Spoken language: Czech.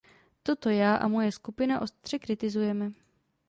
Toto já a moje skupina ostře kritizujeme.